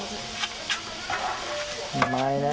うまいね。